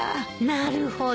なるほど。